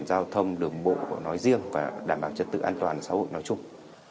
giao thông đường bộ của nó riêng và đảm bảo trật tự an toàn xã hội nói chung